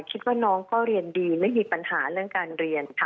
คิดว่าน้องก็เรียนดีไม่มีปัญหาเรื่องการเรียนค่ะ